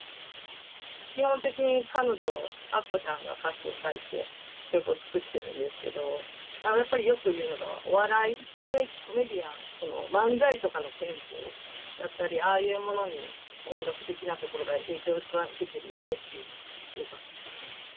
基本的に彼女あっこちゃんが歌詞を書いて曲を作ってるんですけどやっぱり、よく言うのがお笑い、コメディアン漫才とかのテンポだったりああいうものに音楽的なところが影響一番、受けてるよねっていうところがあります。